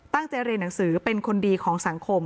เรียนหนังสือเป็นคนดีของสังคม